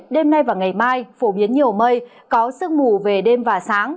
đêm nay và ngày mai phổ biến nhiều mây có sương mù về đêm và sáng